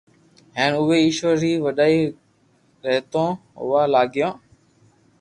ھين او وي ايشور ري وڏائي رتو يوا لاگيو